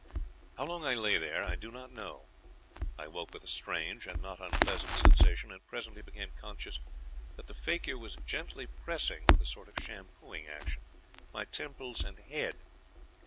"How long I lay there I do not know. I woke with a strange and not unpleasant sensation, and presently became conscious that the fakir was gently pressing, with a sort of shampooing action, my temples and head.